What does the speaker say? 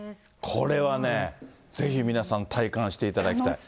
これはね、ぜひ皆さん、体感していただきたい。